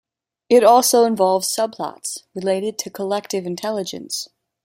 It also involves subplots related to collective intelligence.